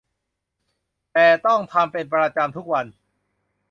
แต่ต้องทำเป็นประจำทุกวัน